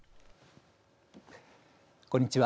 こんにちは。